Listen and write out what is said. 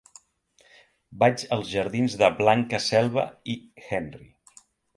Vaig als jardins de Blanca Selva i Henry.